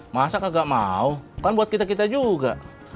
masa gak mau kan buat kita kita juga